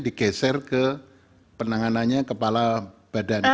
digeser ke penanganannya kepala badan